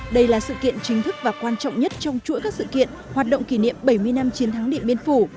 đây là sự kiện chính thức và quan trọng nhất trong chuỗi các sự kiện hoạt động kỷ niệm bảy mươi năm chiến thắng điện biên phủ